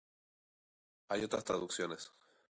Hay otras traducciones.